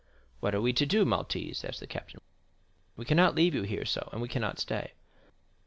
"What are we to do, Maltese?" asked the captain. "We cannot leave you here so, and yet we cannot stay."